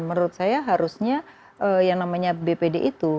menurut saya harusnya yang namanya bpd itu